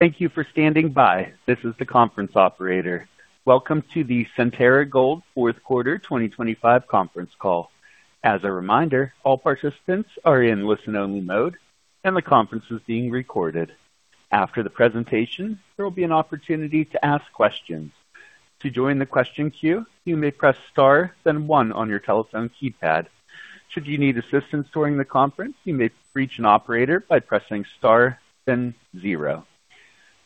Thank you for standing by. This is the conference operator. Welcome to the Centerra Gold Fourth Quarter 2025 conference call. As a reminder, all participants are in listen-only mode, and the conference is being recorded. After the presentation, there will be an opportunity to ask questions. To join the question queue, you may press star then one on your telephone keypad. Should you need assistance during the conference, you may reach an operator by pressing star then zero.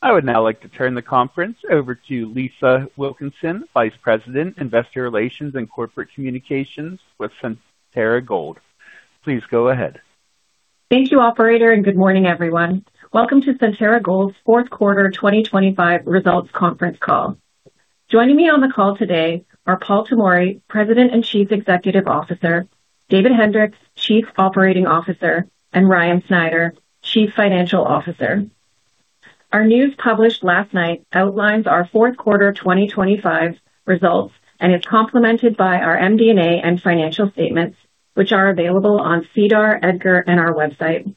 I would now like to turn the conference over to Lisa Wilkinson, Vice President, Investor Relations and Corporate Communications with Centerra Gold. Please go ahead. Thank you, operator, and good morning, everyone. Welcome to Centerra Gold's fourth quarter 2025 results conference call. Joining me on the call today are Paul Tomory, President and Chief Executive Officer, David Hendriks, Chief Operating Officer, and Ryan Snyder, Chief Financial Officer. Our news, published last night, outlines our fourth quarter 2025 results and is complemented by our MD&A and financial statements, which are available on SEDAR, EDGAR, and our website.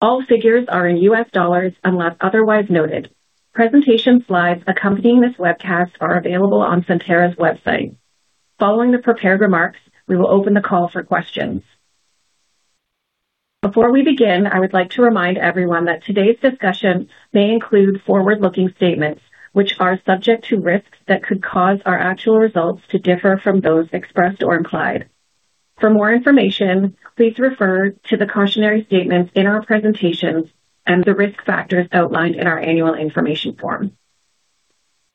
All figures are in U.S. dollars unless otherwise noted. Presentation slides accompanying this webcast are available on Centerra's website. Following the prepared remarks, we will open the call for questions. Before we begin, I would like to remind everyone that today's discussion may include forward-looking statements, which are subject to risks that could cause our actual results to differ from those expressed or implied. For more information, please refer to the cautionary statements in our presentations and the risk factors outlined in our annual information form.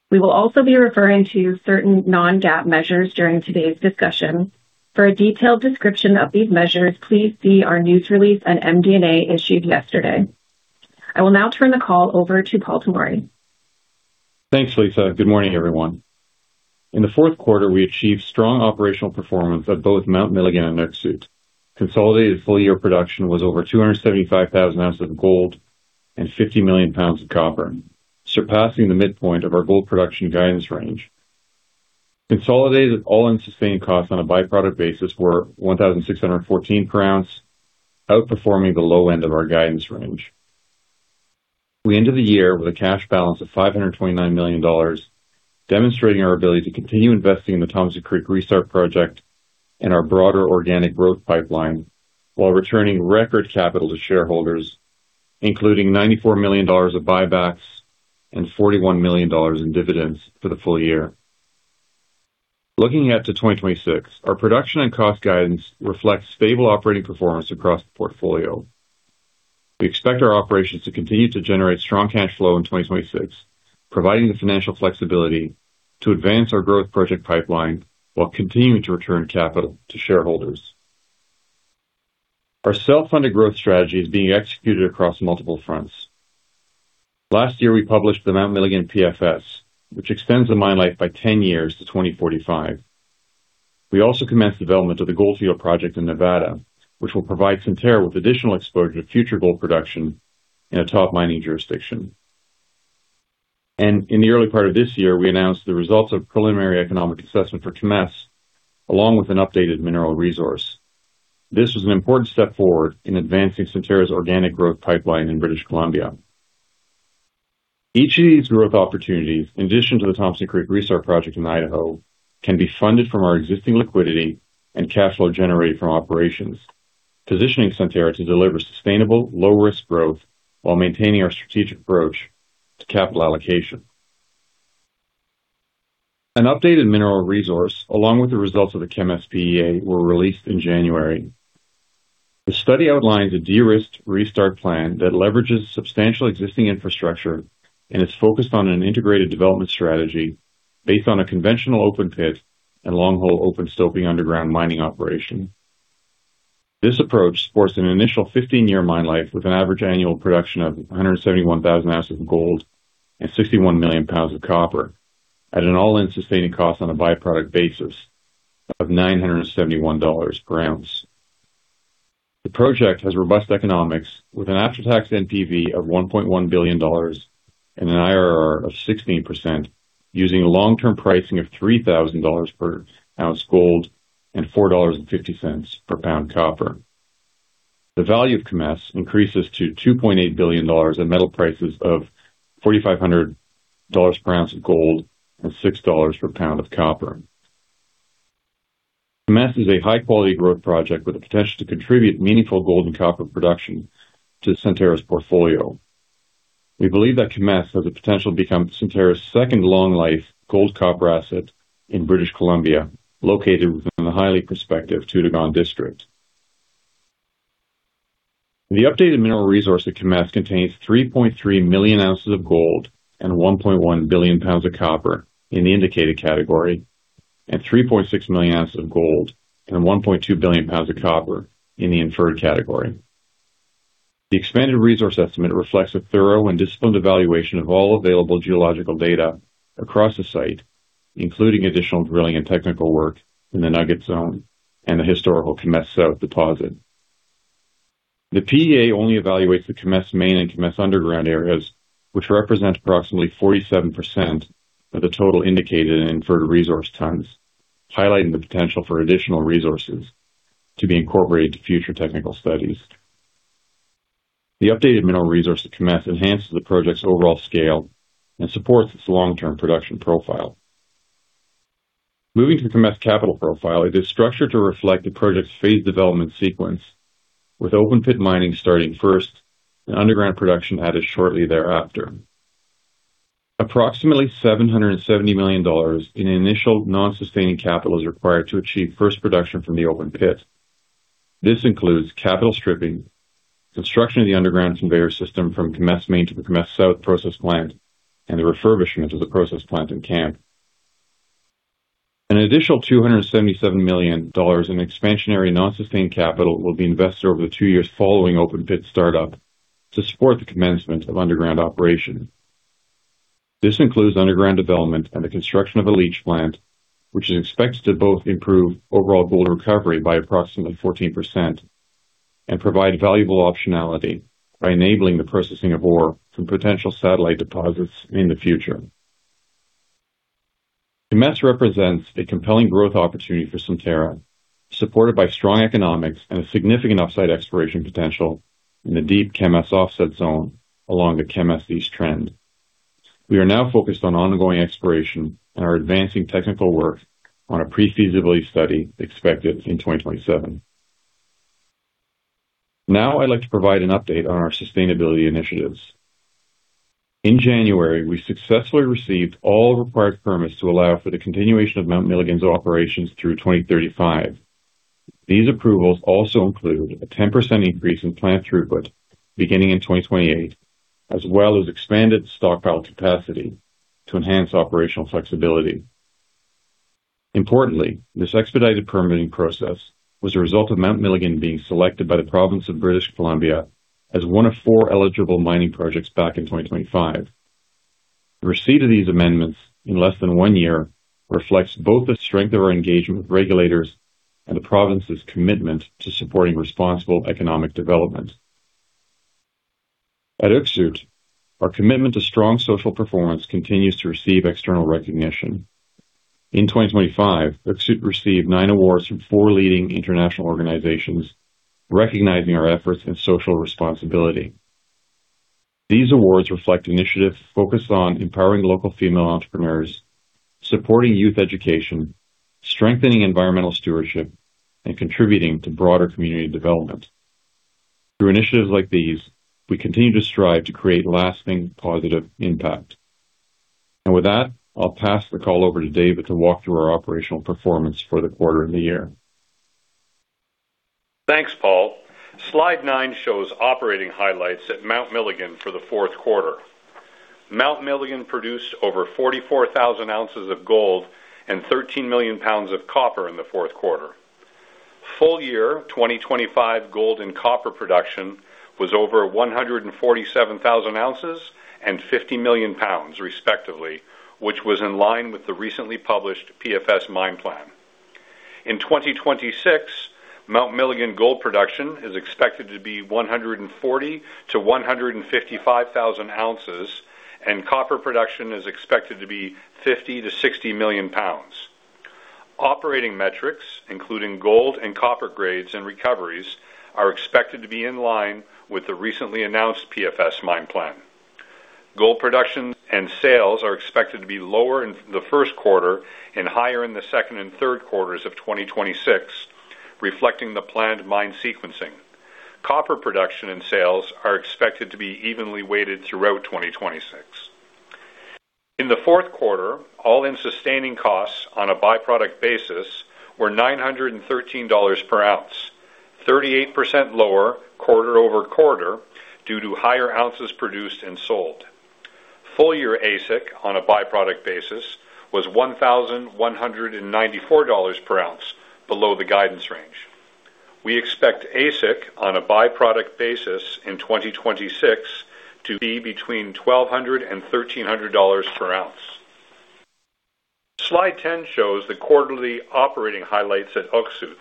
We will also be referring to certain non-GAAP measures during today's discussion. For a detailed description of these measures, please see our news release and MD&A issued yesterday. I will now turn the call over to Paul Tomory. Thanks, Lisa. Good morning, everyone. In the fourth quarter, we achieved strong operational performance at both Mount Milligan and Öksüt. Consolidated full year production was over 275,000 ounces of gold and 50 million pounds of copper, surpassing the midpoint of our gold production guidance range. Consolidated all-in sustaining costs on a byproduct basis were $1,614 per ounce, outperforming the low end of our guidance range. We ended the year with a cash balance of $529 million, demonstrating our ability to continue investing in the Thompson Creek restart project and our broader organic growth pipeline while returning record capital to shareholders, including $94 million of buybacks and $41 million in dividends for the full year. Looking ahead to 2026, our production and cost guidance reflects stable operating performance across the portfolio. We expect our operations to continue to generate strong cash flow in 2026, providing the financial flexibility to advance our growth project pipeline while continuing to return capital to shareholders. Our self-funded growth strategy is being executed across multiple fronts. Last year, we published the Mount Milligan PFS, which extends the mine life by 10 years to 2045. We also commenced development of the Goldfield Project in Nevada, which will provide Centerra with additional exposure to future gold production in a top mining jurisdiction. In the early part of this year, we announced the results of preliminary economic assessment for Kemess, along with an updated mineral resource. This was an important step forward in advancing Centerra's organic growth pipeline in British Columbia. Each of these growth opportunities, in addition to the Thompson Creek restart project in Idaho, can be funded from our existing liquidity and cash flow generated from operations, positioning Centerra to deliver sustainable, low-risk growth while maintaining our strategic approach to capital allocation. An updated mineral resource, along with the results of the Kemess PEA, were released in January. The study outlines a de-risked restart plan that leverages substantial existing infrastructure and is focused on an integrated development strategy based on a conventional open pit and long-haul open stoping underground mining operation. This approach supports an initial 15-year mine life with an average annual production of 171,000 ounces of gold and 61 million pounds of copper at an all-in sustaining cost on a byproduct basis of $971 per ounce. The project has robust economics, with an after-tax NPV of $1.1 billion and an IRR of 16%, using long-term pricing of $3,000 per ounce gold and $4.50 per pound copper. The value of Kemess increases to $2.8 billion at metal prices of $4,500 per ounce of gold and $6 per pound of copper. Kemess is a high-quality growth project with the potential to contribute meaningful gold and copper production to Centerra's portfolio. We believe that Kemess has the potential to become Centerra's second long-life gold copper asset in British Columbia, located within the highly prospective Toodoggone district. The updated mineral resource at Kemess contains 3.3 million ounces of gold and 1.1 billion pounds of copper in the indicated category, and 3.6 million ounces of gold and 1.2 billion pounds of copper in the inferred category. The expanded resource estimate reflects a thorough and disciplined evaluation of all available geological data across the site, including additional drilling and technical work in the Nugget Zone and the historical Kemess South deposit. The PEA only evaluates the Kemess Main and Kemess Underground areas, which represent approximately 47% of the total indicated and inferred resource tons, highlighting the potential for additional resources... to be incorporated into future technical studies. The updated mineral resource of Kemess enhances the project's overall scale and supports its long-term production profile. Moving to Kemess capital profile, it is structured to reflect the project's phase development sequence, with open pit mining starting first and underground production added shortly thereafter. Approximately $770 million in initial non-sustaining capital is required to achieve first production from the open pit. This includes capital stripping, construction of the underground conveyor system from Kemess Main to the Kemess South process plant, and the refurbishment of the process plant and camp. An additional $277 million in expansionary non-sustained capital will be invested over the two years following open pit startup to support the commencement of underground operation. This includes underground development and the construction of a leach plant, which is expected to both improve overall gold recovery by approximately 14% and provide valuable optionality by enabling the processing of ore from potential satellite deposits in the future. Kemess represents a compelling growth opportunity for Centerra, supported by strong economics and a significant upside exploration potential in the deep Kemess Offset Zone along the Kemess East trend. We are now focused on ongoing exploration and are advancing technical work on a pre-feasibility study expected in 2027. Now, I'd like to provide an update on our sustainability initiatives. In January, we successfully received all required permits to allow for the continuation of Mount Milligan's operations through 2035. These approvals also include a 10% increase in plant throughput beginning in 2028, as well as expanded stockpile capacity to enhance operational flexibility. Importantly, this expedited permitting process was a result of Mount Milligan being selected by the province of British Columbia as one of four eligible mining projects back in 2025. The receipt of these amendments in less than one year reflects both the strength of our engagement with regulators and the province's commitment to supporting responsible economic development. At Öksüt, our commitment to strong social performance continues to receive external recognition. In 2025, Öksüt received nine awards from four leading international organizations recognizing our efforts in social responsibility. These awards reflect initiatives focused on empowering local female entrepreneurs, supporting youth education, strengthening environmental stewardship, and contributing to broader community development. Through initiatives like these, we continue to strive to create lasting positive impact. With that, I'll pass the call over to David to walk through our operational performance for the quarter and the year. Thanks, Paul. Slide 9 shows operating highlights at Mount Milligan for the fourth quarter. Mount Milligan produced over 44,000 ounces of gold and 13 million pounds of copper in the fourth quarter. Full year 2025 gold and copper production was over 147,000 ounces and 50 million pounds, respectively, which was in line with the recently published PFS mine plan. In 2026, Mount Milligan gold production is expected to be 140-155,000 ounces, and copper production is expected to be 50-60 million pounds. Operating metrics, including gold and copper grades and recoveries, are expected to be in line with the recently announced PFS mine plan. Gold production and sales are expected to be lower in the first quarter and higher in the second and third quarters of 2026, reflecting the planned mine sequencing. Copper production and sales are expected to be evenly weighted throughout 2026. In the fourth quarter, all-in sustaining costs on a byproduct basis were $913 per ounce, 38% lower quarter-over-quarter due to higher ounces produced and sold. Full-year AISC on a byproduct basis was $1,194 per ounce below the guidance range. We expect AISC on a byproduct basis in 2026 to be between $1,200 and $1,300 per ounce. Slide 10 shows the quarterly operating highlights at Öksüt.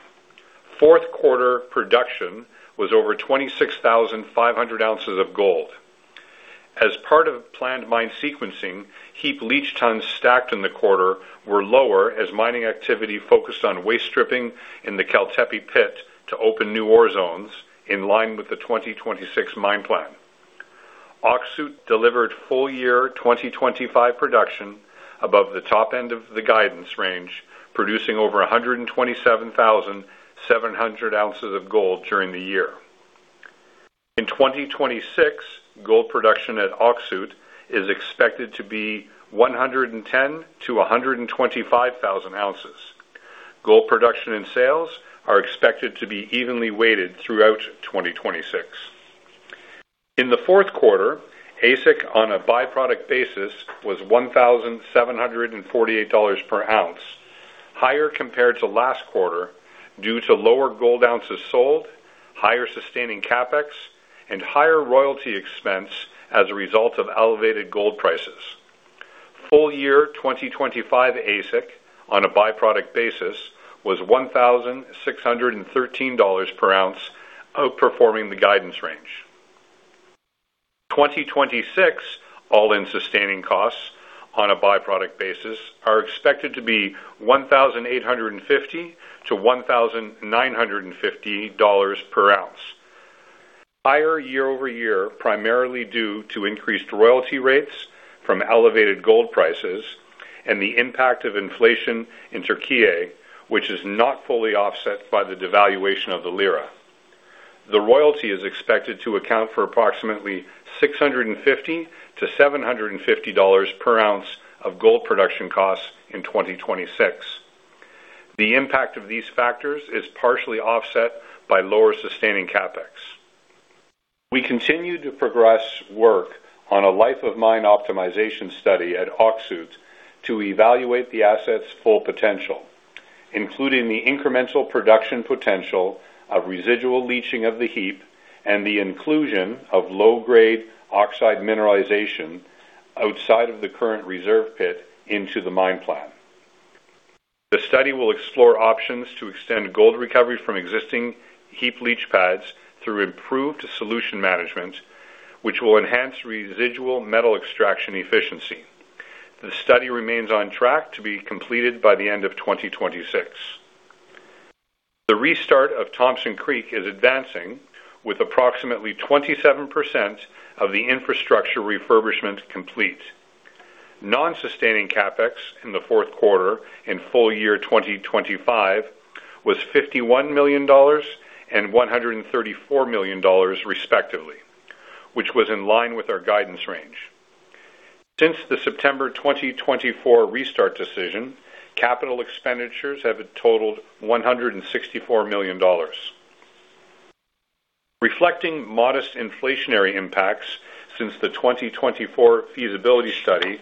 Fourth quarter production was over 26,500 ounces of gold. As part of planned mine sequencing, heap leach tons stacked in the quarter were lower as mining activity focused on waste stripping in the Keltepe pit to open new ore zones in line with the 2026 mine plan. Öksüt delivered full year 2025 production above the top end of the guidance range, producing over 127,700 ounces of gold during the year. In 2026, gold production at Öksüt is expected to be 110,000-125,000 ounces. Gold production and sales are expected to be evenly weighted throughout 2026. In the fourth quarter, AISC on a byproduct basis was $1,748 per ounce, higher compared to last quarter due to lower gold ounces sold, higher sustaining CapEx, and higher royalty expense as a result of elevated gold prices. Full year 2025 AISC on a byproduct basis was $1,613 per ounce, outperforming the guidance range.... 2026, all-in sustaining costs on a byproduct basis are expected to be $1,850-$1,950 per ounce. Higher year-over-year, primarily due to increased royalty rates from elevated gold prices and the impact of inflation in Türkiye, which is not fully offset by the devaluation of the lira. The royalty is expected to account for approximately $650-$750 per ounce of gold production costs in 2026. The impact of these factors is partially offset by lower sustaining CapEx. We continue to progress work on a life of mine optimization study at Öksüt to evaluate the asset's full potential, including the incremental production potential of residual leaching of the heap, and the inclusion of low-grade oxide mineralization outside of the current reserve pit into the mine plan. The study will explore options to extend gold recovery from existing heap leach pads through improved solution management, which will enhance residual metal extraction efficiency. The study remains on track to be completed by the end of 2026. The restart of Thompson Creek is advancing, with approximately 27% of the infrastructure refurbishment complete. Non-sustaining CapEx in the fourth quarter and full year 2025 was $51 million and $134 million, respectively, which was in line with our guidance range. Since the September 2024 restart decision, capital expenditures have totaled $164 million. Reflecting modest inflationary impacts since the 2024 feasibility study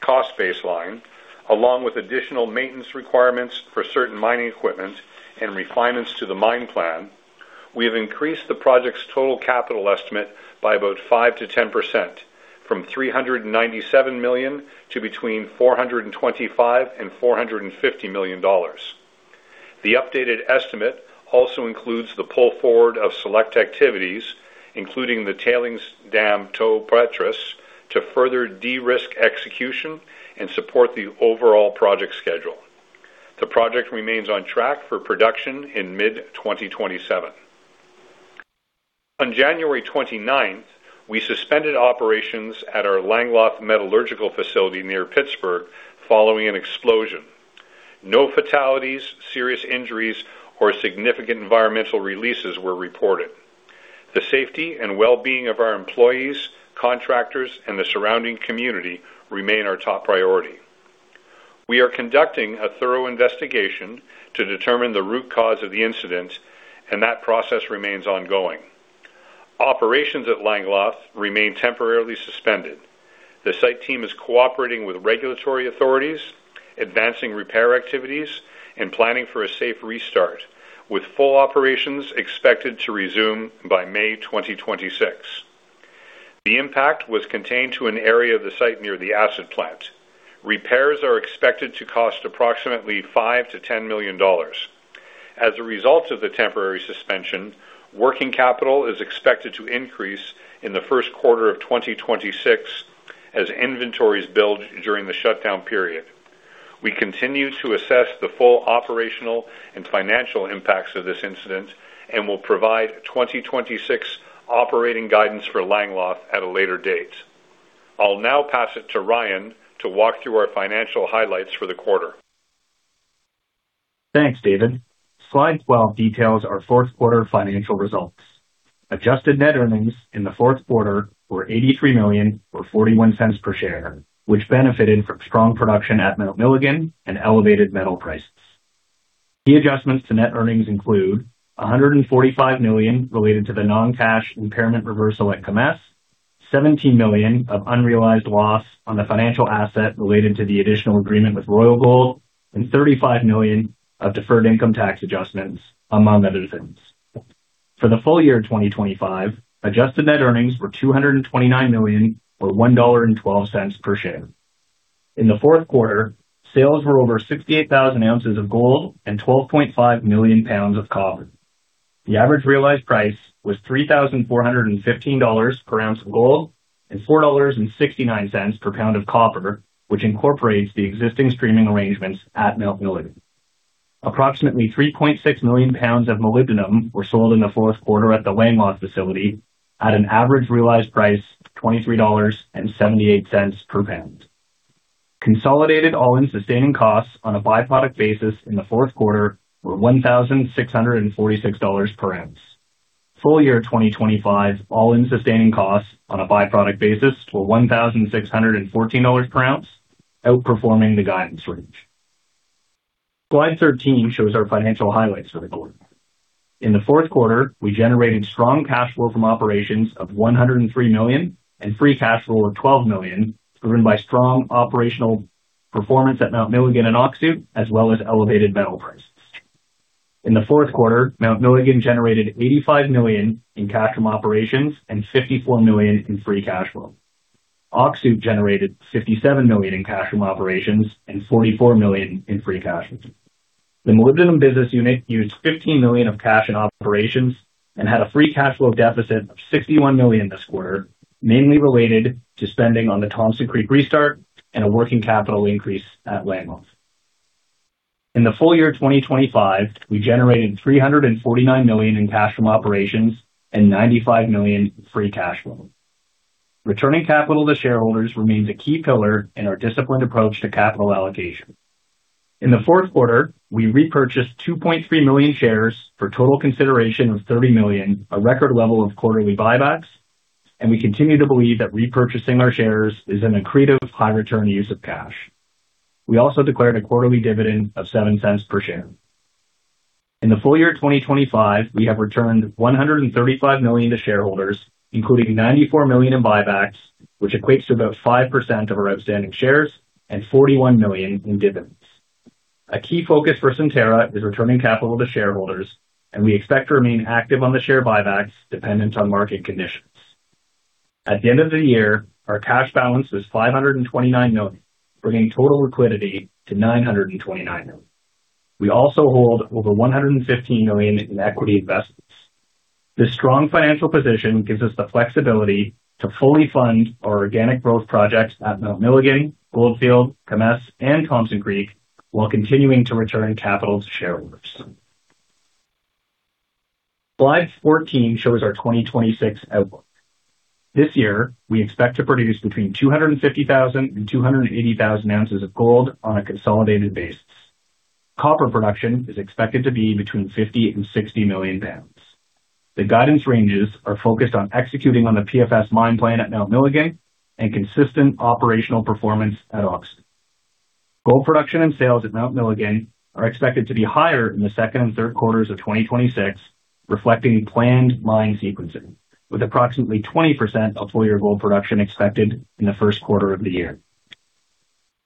cost baseline, along with additional maintenance requirements for certain mining equipment and refinements to the mine plan, we have increased the project's total capital estimate by about 5%-10%, from $397 million to between $425 million and $450 million. The updated estimate also includes the pull forward of select activities, including the tailings dam toe buttress, to further de-risk execution and support the overall project schedule. The project remains on track for production in mid-2027. On January 29th, we suspended operations at our Langeloth Metallurgical facility near Pittsburgh, following an explosion. No fatalities, serious injuries, or significant environmental releases were reported. The safety and well-being of our employees, contractors, and the surrounding community remain our top priority. We are conducting a thorough investigation to determine the root cause of the incident, and that process remains ongoing. Operations at Langeloth remain temporarily suspended. The site team is cooperating with regulatory authorities, advancing repair activities, and planning for a safe restart, with full operations expected to resume by May 2026. The impact was contained to an area of the site near the acid plant. Repairs are expected to cost approximately $5-$10 million. As a result of the temporary suspension, working capital is expected to increase in the first quarter of 2026 as inventories build during the shutdown period. We continue to assess the full operational and financial impacts of this incident and will provide 2026 operating guidance for Langeloth at a later date. I'll now pass it to Ryan to walk through our financial highlights for the quarter. Thanks, David. Slide 12 details our fourth quarter financial results. Adjusted net earnings in the fourth quarter were $83 million, or $0.41 per share, which benefited from strong production at Mount Milligan and elevated metal prices. The adjustments to net earnings include $145 million related to the non-cash impairment reversal at Kemess, $17 million of unrealized loss on the financial asset related to the additional agreement with Royal Gold, and $35 million of deferred income tax adjustments, among other things. For the full year 2025, adjusted net earnings were $229 million, or $1.12 per share. In the fourth quarter, sales were over 68,000 ounces of gold and 12.5 million pounds of copper. The average realized price was $3,415 per ounce of gold and $4.69 per pound of copper, which incorporates the existing streaming arrangements at Mount Milligan. Approximately 3.6 million pounds of molybdenum were sold in the fourth quarter at the Langeloth facility at an average realized price of $23.78 per pound. Consolidated all-in sustaining costs on a byproduct basis in the fourth quarter were $1,646 per ounce. Full year 2025, all-in sustaining costs on a byproduct basis were $1,614 per ounce, outperforming the guidance range. Slide 13 shows our financial highlights for the quarter. In the fourth quarter, we generated strong cash flow from operations of $103 million, and free cash flow of $12 million, driven by strong operational performance at Mount Milligan and Öksüt, as well as elevated metal prices. In the fourth quarter, Mount Milligan generated $85 million in cash from operations and $54 million in free cash flow. Öksüt generated $57 million in cash from operations and $44 million in free cash flow. The molybdenum business unit used $15 million of cash in operations and had a free cash flow deficit of $61 million this quarter, mainly related to spending on the Thompson Creek restart and a working capital increase at Langeloth. In the full year 2025, we generated $349 million in cash from operations and $95 million in free cash flow. Returning capital to shareholders remains a key pillar in our disciplined approach to capital allocation. In the fourth quarter, we repurchased 2.3 million shares for total consideration of $30 million, a record level of quarterly buybacks, and we continue to believe that repurchasing our shares is an accretive, high return use of cash. We also declared a quarterly dividend of 0.07 per share. In the full year 2025, we have returned $135 million to shareholders, including $94 million in buybacks, which equates to about 5% of our outstanding shares and $41 million in dividends. A key focus for Centerra is returning capital to shareholders, and we expect to remain active on the share buybacks dependent on market conditions. At the end of the year, our cash balance was $529 million, bringing total liquidity to $929 million. We also hold over $115 million in equity investments. This strong financial position gives us the flexibility to fully fund our organic growth projects at Mount Milligan, Goldfield, Kemess, and Thompson Creek, while continuing to return capital to shareholders. Slide 14 shows our 2026 outlook. This year, we expect to produce between 250,000 and 280,000 ounces of gold on a consolidated basis. Copper production is expected to be between 50 and 60 million pounds. The guidance ranges are focused on executing on the PFS mine plan at Mount Milligan and consistent operational performance at Öksüt. Gold production and sales at Mount Milligan are expected to be higher in the second and third quarters of 2026, reflecting planned mine sequencing, with approximately 20% of full year gold production expected in the first quarter of the year.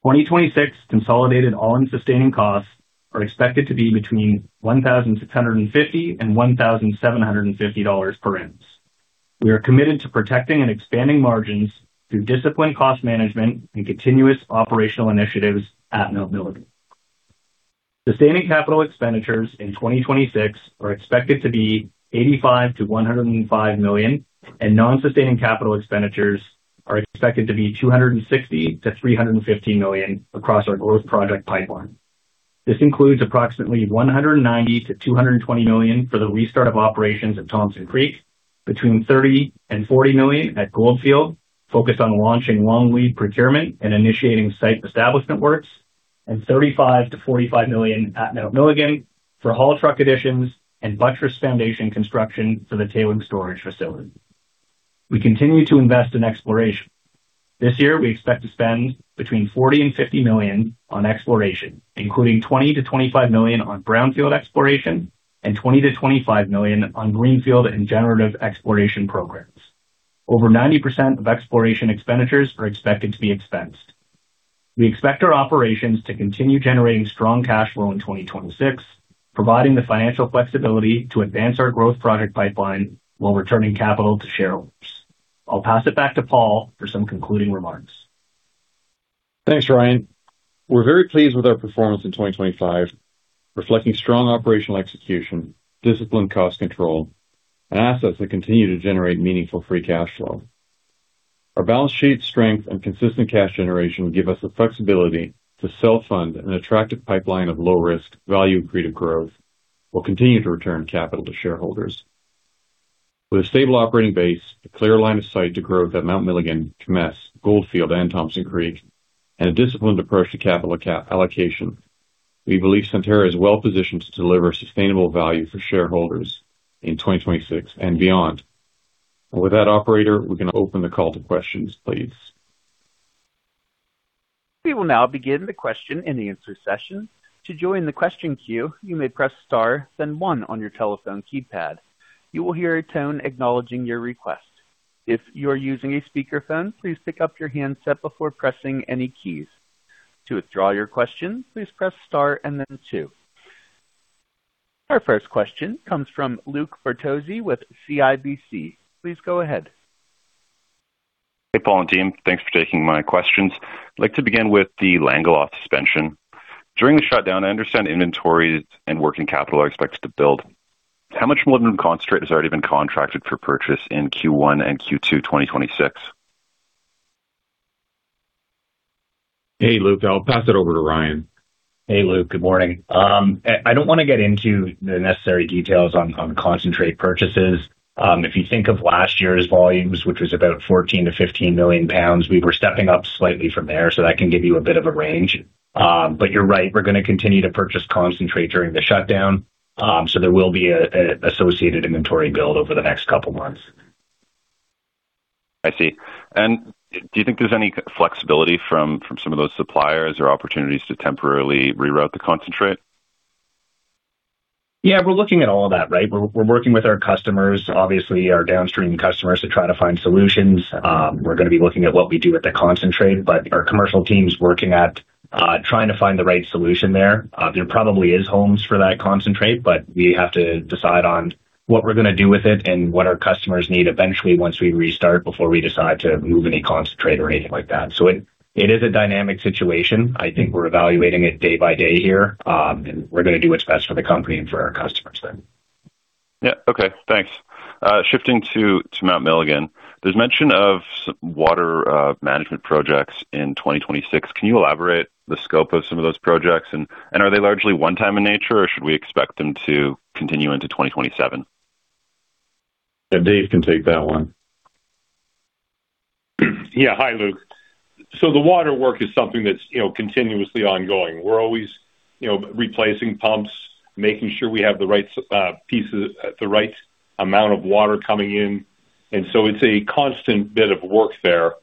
2026 consolidated all-in sustaining costs are expected to be between $1,650 and $1,750 per ounce. We are committed to protecting and expanding margins through disciplined cost management and continuous operational initiatives at Mount Milligan. Sustaining capital expenditures in 2026 are expected to be $85-$105 million, and non-sustaining capital expenditures are expected to be $260-$350 million across our growth project pipeline. This includes approximately $190-$220 million for the restart of operations at Thompson Creek, between $30 and $40 million at Goldfield, focused on launching long lead procurement and initiating site establishment works, and $35-$45 million at Mount Milligan for haul truck additions and buttress foundation construction for the tailings storage facility. We continue to invest in exploration. This year, we expect to spend between $40 million and $50 million on exploration, including $20-25 million on brownfield exploration and $20-25 million on greenfield and generative exploration programs. Over 90% of exploration expenditures are expected to be expensed. We expect our operations to continue generating strong cash flow in 2026, providing the financial flexibility to advance our growth project pipeline while returning capital to shareholders. I'll pass it back to Paul for some concluding remarks. Thanks, Ryan. We're very pleased with our performance in 2025, reflecting strong operational execution, disciplined cost control, and assets that continue to generate meaningful free cash flow. Our balance sheet strength and consistent cash generation give us the flexibility to self-fund an attractive pipeline of low-risk, value-accretive growth, while continuing to return capital to shareholders. With a stable operating base, a clear line of sight to growth at Mount Milligan, Kemess, Goldfield, and Thompson Creek, and a disciplined approach to capital allocation, we believe Centerra is well positioned to deliver sustainable value for shareholders in 2026 and beyond. With that operator, we can open the call to questions, please. We will now begin the question-and-answer session. To join the question queue, you may press star, then one on your telephone keypad. You will hear a tone acknowledging your request. If you are using a speakerphone, please pick up your handset before pressing any keys. To withdraw your question, please press star and then two. Our first question comes from Luke Bertozzi with CIBC. Please go ahead. Hey, Paul and team, thanks for taking my questions. I'd like to begin with the Langeloth suspension. During the shutdown, I understand inventories and working capital are expected to build. How much molybdenum concentrate has already been contracted for purchase in Q1 and Q2 2026? Hey, Luke. I'll pass it over to Ryan. Hey, Luke. Good morning. I don't want to get into the necessary details on concentrate purchases. If you think of last year's volumes, which was about 14-15 million pounds, we were stepping up slightly from there, so that can give you a bit of a range. But you're right, we're going to continue to purchase concentrate during the shutdown, so there will be an associated inventory build over the next couple of months. I see. And do you think there's any flexibility from some of those suppliers or opportunities to temporarily reroute the concentrate? Yeah, we're looking at all of that, right? We're working with our customers, obviously our downstream customers, to try to find solutions. We're going to be looking at what we do with the concentrate, but our commercial team's working at trying to find the right solution there. There probably is homes for that concentrate, but we have to decide on what we're going to do with it and what our customers need eventually, once we restart, before we decide to move any concentrate or anything like that. So it is a dynamic situation. I think we're evaluating it day by day here, and we're going to do what's best for the company and for our customers then. Yeah. Okay, thanks. Shifting to Mount Milligan, there's mention of water management projects in 2026. Can you elaborate the scope of some of those projects? And are they largely one time in nature, or should we expect them to continue into 2027? Yeah, Dave can take that one. Yeah. Hi, Luke. So the water work is something that's, you know, continuously ongoing. We're always, you know, replacing pumps, making sure we have the right pieces, the right amount of water coming in, and so it's a constant bit of work there.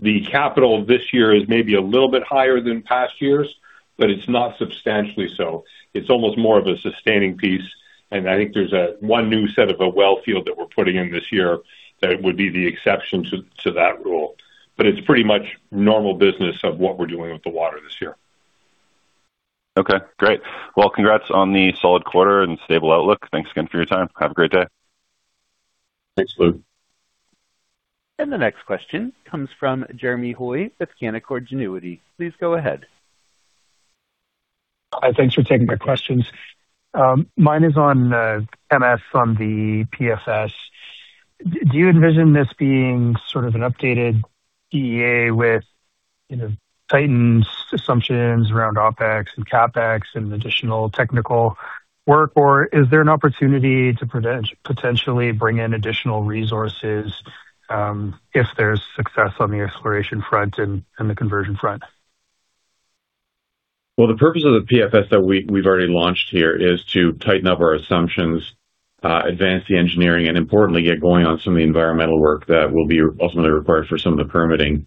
The capital this year is maybe a little bit higher than past years, but it's not substantially so. It's almost more of a sustaining piece, and I think there's a one new set of a well field that we're putting in this year that would be the exception to that rule. But it's pretty much normal business of what we're doing with the water this year. Okay, great. Well, congrats on the solid quarter and stable outlook. Thanks again for your time. Have a great day. Thanks, Luke. The next question comes from Jeremy Hoy with Canaccord Genuity. Please go ahead. Hi, thanks for taking my questions. Mine is on Kemess, on the PFS. Do you envision this being sort of an updated PEA with, you know, tightened assumptions around OpEx and CapEx and additional technical work? Or is there an opportunity to potentially bring in additional resources, if there's success on the exploration front and the conversion front? Well, the purpose of the PFS that we, we've already launched here is to tighten up our assumptions, advance the engineering, and importantly, get going on some of the environmental work that will be ultimately required for some of the permitting.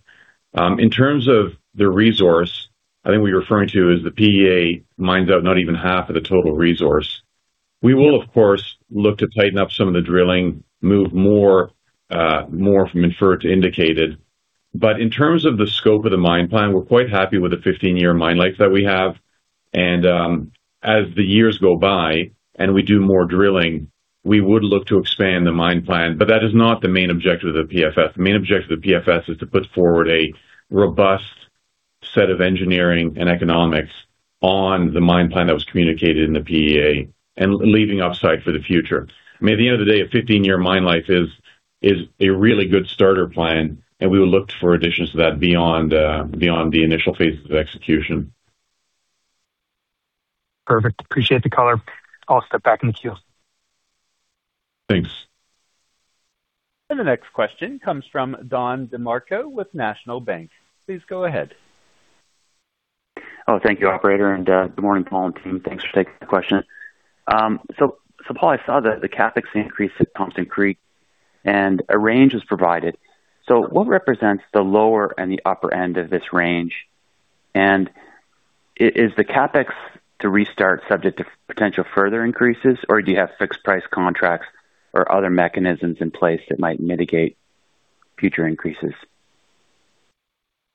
In terms of the resource, I think what you're referring to as the PEA mines out not even half of the total resource. We will, of course, look to tighten up some of the drilling, move more, more from inferred to indicated. But in terms of the scope of the mine plan, we're quite happy with the 15-year mine life that we have, and, as the years go by and we do more drilling, we would look to expand the mine plan. But that is not the main objective of the PFS. The main objective of the PFS is to put forward a robust set of engineering and economics on the mine plan that was communicated in the PEA and leaving upside for the future. I mean, at the end of the day, a 15-year mine life is a really good starter plan, and we will look for additions to that beyond, beyond the initial phases of execution. Perfect. Appreciate the call. I'll step back in the queue. Thanks. The next question comes from Don DeMarco with National Bank. Please go ahead. Oh, thank you, operator, and good morning, Paul and team. Thanks for taking the question. So, so Paul, I saw that the CapEx increased at Thompson Creek and a range is provided. So what represents the lower and the upper end of this range? And is the CapEx to restart subject to potential further increases, or do you have fixed price contracts or other mechanisms in place that might mitigate future increases?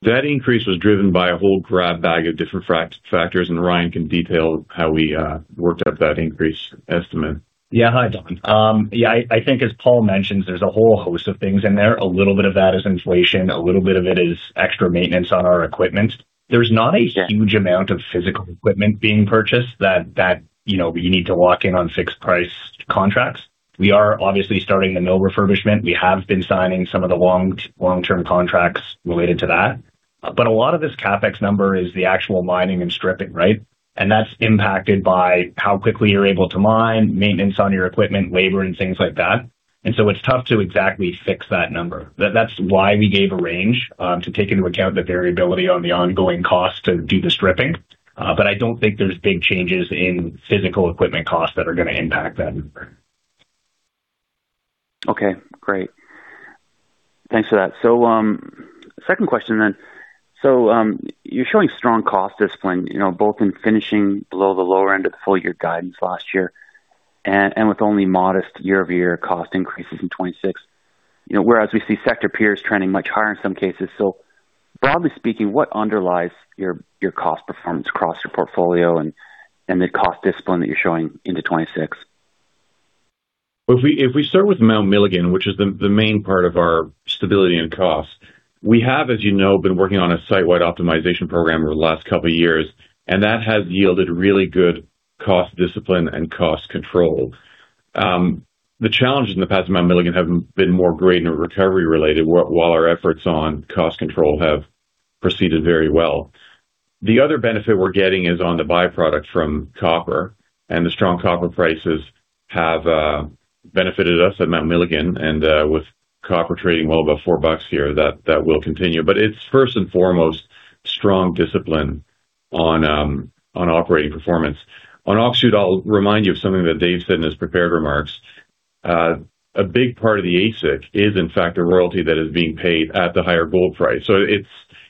That increase was driven by a whole grab bag of different factors, and Ryan can detail how we worked out that increase estimate. Yeah. Hi, Don. Yeah, I think as Paul mentioned, there's a whole host of things in there. A little bit of that is inflation, a little bit of it is extra maintenance on our equipment. There's not a huge amount of physical equipment being purchased that you know, you need to lock in on fixed price contracts. We are obviously starting the mill refurbishment. We have been signing some of the long-term contracts related to that. But a lot of this CapEx number is the actual mining and stripping, right? And that's impacted by how quickly you're able to mine, maintenance on your equipment, labor, and things like that. And so it's tough to exactly fix that number. That's why we gave a range to take into account the variability on the ongoing cost to do the stripping. But I don't think there's big changes in physical equipment costs that are gonna impact that number. Okay, great. Thanks for that. So, second question then. So, you're showing strong cost discipline, you know, both in finishing below the lower end of the full year guidance last year and, and with only modest year-over-year cost increases in 2026. You know, whereas we see sector peers trending much higher in some cases. So broadly speaking, what underlies your, your cost performance across your portfolio and, and the cost discipline that you're showing into 2026? Well, if we, if we start with Mount Milligan, which is the, the main part of our stability and cost, we have, as you know, been working on a site-wide optimization program over the last couple of years, and that has yielded really good cost discipline and cost control. The challenges in the past at Mount Milligan have been more grade and recovery related, while our efforts on cost control have proceeded very well. The other benefit we're getting is on the byproducts from copper, and the strong copper prices have benefited us at Mount Milligan, and, with copper trading well above $4 here, that, that will continue. But it's first and foremost strong discipline on, on operating performance. On Öksüt, I'll remind you of something that Dave said in his prepared remarks. A big part of the AISC is, in fact, a royalty that is being paid at the higher gold price. So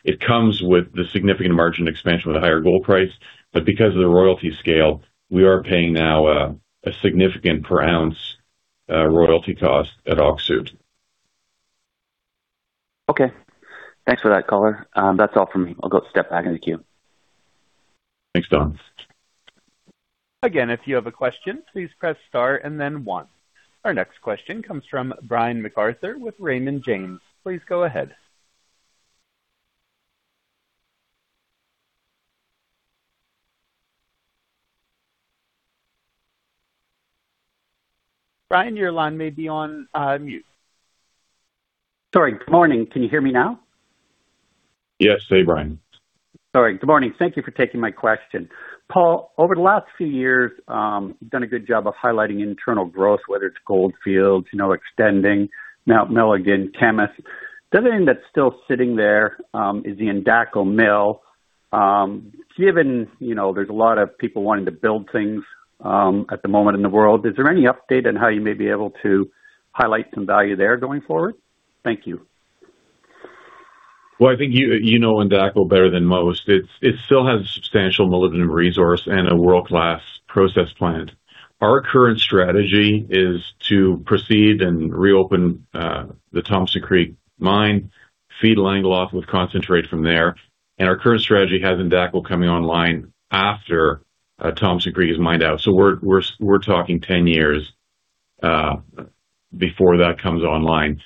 it comes with the significant margin expansion with a higher gold price, but because of the royalty scale, we are paying now a significant per ounce royalty cost at Öksüt. Okay. Thanks for that, caller. That's all from me. I'll go step back in the queue. Thanks, Don. Again, if you have a question, please press Star and then One. Our next question comes from Brian MacArthur with Raymond James. Please go ahead. Brian, your line may be on mute. Sorry, good morning. Can you hear me now? Yes. Hey, Brian. Sorry, good morning. Thank you for taking my question. Paul, over the last few years, you've done a good job of highlighting internal growth, whether it's Goldfield project, you know, extending Mount Milligan, Kemess. The other thing that's still sitting there is the Endako mill. Given, you know, there's a lot of people wanting to build things at the moment in the world, is there any update on how you may be able to highlight some value there going forward? Thank you. Well, I think you know Endako better than most. It still has a substantial molybdenum resource and a world-class process plant. Our current strategy is to proceed and reopen the Thompson Creek mine, feed Langeloth with concentrate from there, and our current strategy has Endako coming online after Thompson Creek is mined out. So we're talking 10 years before that comes online.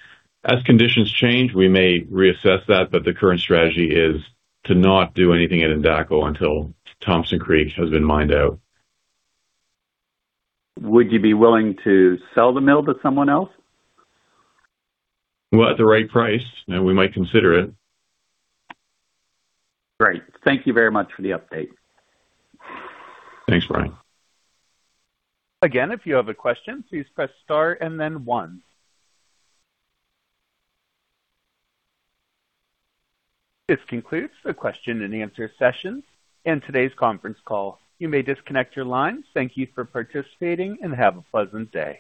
As conditions change, we may reassess that, but the current strategy is to not do anything at Endako until Thompson Creek has been mined out. Would you be willing to sell the mill to someone else? Well, at the right price, then we might consider it. Great. Thank you very much for the update. Thanks, Brian. Again, if you have a question, please press star and then One. This concludes the question and answer session and today's conference call. You may disconnect your lines. Thank you for participating, and have a pleasant day.